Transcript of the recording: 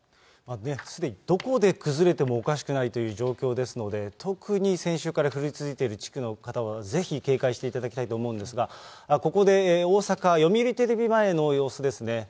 すでにどこで崩れてもおかしくないという状況ですので、特に先週から降り続いている地区の方はぜひ警戒していただきたいと思うんですが、ここで大阪読売テレビ前の様子ですね。